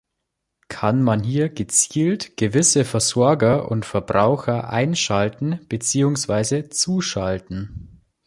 Kann man hier gezielt gewisse Versorger und Verbraucher einschalten beziehungsweise zuschalten?